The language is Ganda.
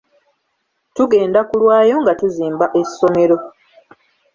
Tugenda kulwayo nga tuzimba essomero.